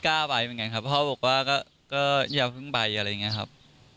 กล้าไปเหมือนกันครับพ่อบอกว่าก็อย่าเพิ่งไปอะไรอย่างนี้ครับ